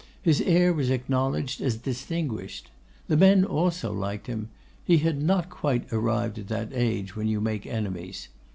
His air was acknowledged as distinguished. The men also liked him; he had not quite arrived at that age when you make enemies.